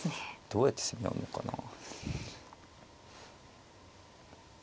どうやって攻め合うのかな。